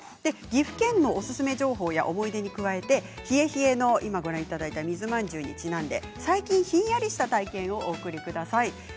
岐阜県のおすすめ情報や思い出に加えて冷え冷えの水まんじゅうにちなんで最近ヒンヤリした体験をお送りください。